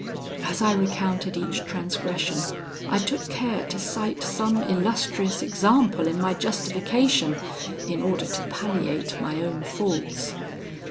As I recounted each transgression, I took care to cite some illustrious example in my justification, in order to palliate my own faults.